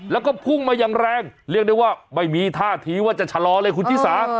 แล้วก็พุ่งมาอย่างแรงเรียกได้ว่าไม่มีท่าทีว่าจะชะลอเลยคุณชิสา